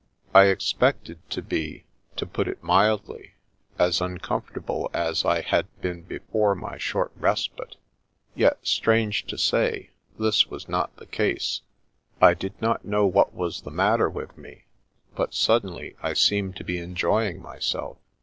I expected to be (to put it mildly) as uncomfort able as I had been before my short respite, yet strange to say, this was not the case. I did not know what was the matter with me, but suddenly I seemed to be enjoying myself.